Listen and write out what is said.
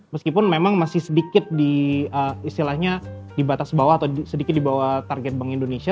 meskipun memang masih sedikit di istilahnya di batas bawah atau sedikit di bawah target bank indonesia